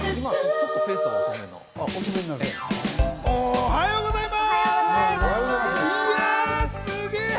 おはようございます。